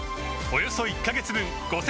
およそ１カ月分